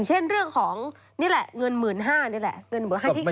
เช่นเรื่องของเงินเหมือน๕นี่แหละ